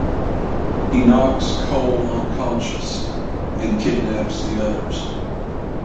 He knocks Cole unconscious and kidnaps the others.